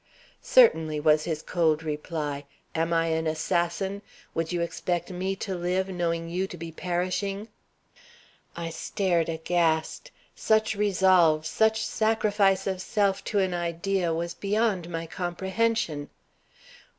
"Certainly," was his cold reply. "Am I an assassin? Would you expect me to live, knowing you to be perishing?" I stared aghast. Such resolve, such sacrifice of self to an idea was beyond my comprehension.